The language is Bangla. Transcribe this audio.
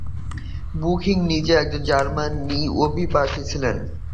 বুখিং নিজে একজন জার্মান অভিবাসী ছিলেন।